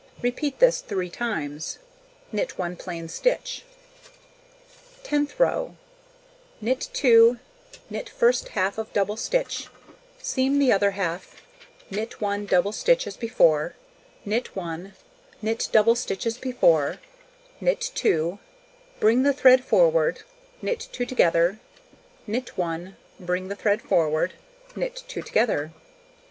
Repeat this 3 times. Knit 1 plain stitch. Tenth row: Knit 2, knit first half of double stitch, seam the other half, knit 1 double stitch as before, knit 1, knit double stitch as before, knit 2, bring the thread forward, knit 2 together, knit 1, bring the thread forward, knit 2 together.